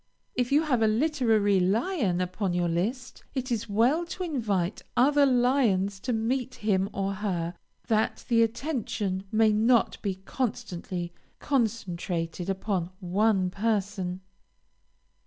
If you have a literary lion upon your list, it is well to invite other lions to meet him or her, that the attention may not be constantly concentrated upon one person.